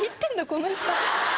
この人。